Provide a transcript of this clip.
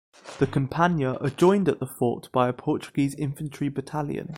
The Compania are joined at the fort by a Portuguese infantry battalion.